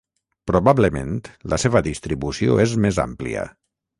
Probablement la seva distribució és més àmplia.